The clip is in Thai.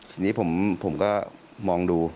ทีนี้ผมก็มองดู